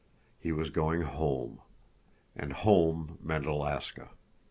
He was going home. And home meant Alaska.